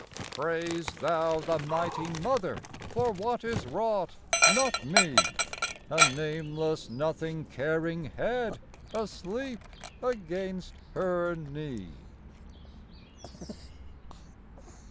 XIII Praise thou the Mighty Mother for what is wrought, not me, A nameless nothing caring head asleep against her knee.